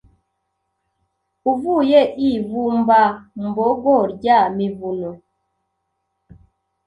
Uvuye i Vumbambogo rya Mivuno